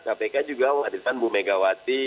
kpk juga menghadirkan bumegawati